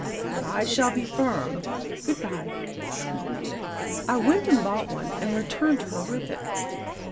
But I shall be firm. Good bye." I went and bought one and returned to her with it.